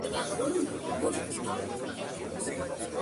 Forman, además, sociedad, para ganarse la vida.